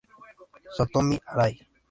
Satomi Arai